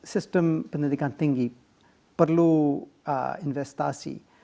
sistem pendidikan tinggi perlu investasi